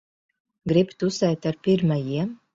Grib tusēt ar pirmajiem.